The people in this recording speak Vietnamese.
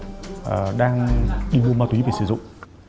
bọn chúng đang đi mua ma túy để sử dụng